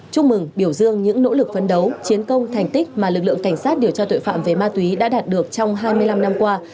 chúc mừng biểu dương những nỗ lực phấn đấu chiến công thành tích mà lực lượng cảnh sát điều tra tội phạm về ma túy đã đạt được trong hai mươi năm năm qua